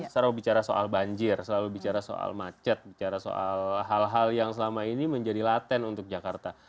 selalu bicara soal banjir selalu bicara soal macet bicara soal hal hal yang selama ini menjadi laten untuk jakarta